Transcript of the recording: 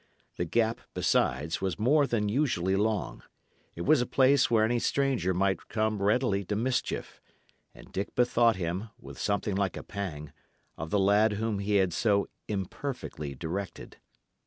The gap, besides, was more than usually long; it was a place where any stranger might come readily to mischief; and Dick bethought him, with something like a pang, of the lad whom he had so imperfectly directed.